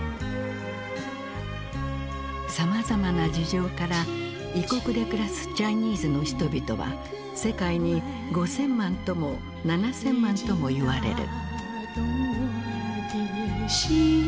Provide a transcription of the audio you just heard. さまざまな事情から異国で暮らすチャイニーズの人々は世界に５，０００万とも７，０００万ともいわれる。